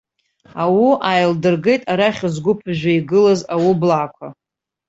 Ауу аилдыргеит арахь згәы ԥыжәжәо игылаз аублаақәа.